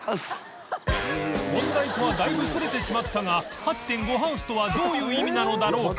稻楝蠅箸だいぶそれてしまったが８．５ＨＯＵＳＥ」とはどういう意味なのだろうか？